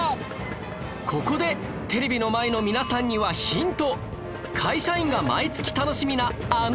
ここでテレビの前の皆さんにはヒント